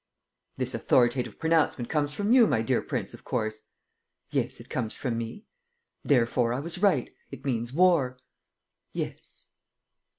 "This authoritative pronouncement comes from you, my dear prince, of course?" "Yes, it comes from me." "Therefore, I was right: it means war." "Yes."